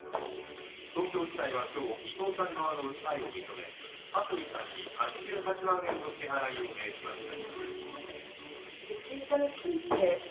東京地裁は今日、伊藤さん側の訴えを認めはすみさんに８８万円の支払いを命じました。